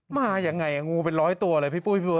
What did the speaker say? มายังไงงูเป็นร้อยตัวเลยพี่ปุ้ยพี่ป